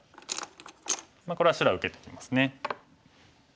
これは白は受けてきますね。